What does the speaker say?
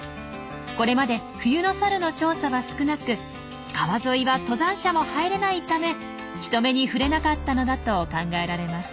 これまで冬のサルの調査は少なく川沿いは登山者も入れないため人目に触れなかったのだと考えられます。